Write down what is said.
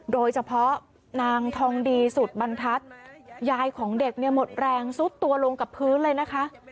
โดยเฉพาะนางทองดีสุดบรรทัศน์ยายของเด็กเนี่ยหมดแรงซุดตัวลงกับพื้นเลยนะคะ